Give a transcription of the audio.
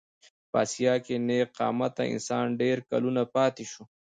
په اسیا کې نېغ قامته انسان ډېر کلونه پاتې شو.